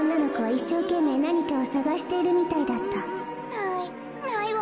ないないわ。